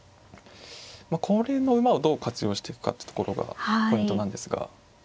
これの馬をどう活用してくかってところがポイントなんですが。